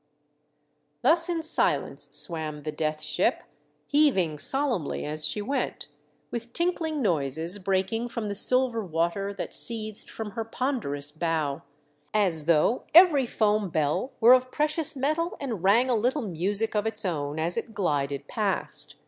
Thus in silence swam the Death Ship, heaving solemnly as she went, with tinkling noises breaking from the silver water that seethed from her ponderous bow, as though every foam bell were of precious metal and rang a little music of its own as it glided past.